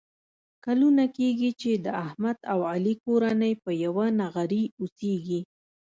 کلونه کېږي چې د احمد او علي کورنۍ په یوه نغري اوسېږي.